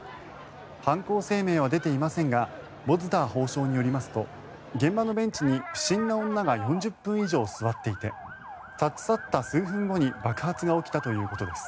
犯行声明は出ていませんがボズダー法相によりますと現場のベンチに不審な女が４０分以上座っていて立ち去った数分後に爆発が起きたということです。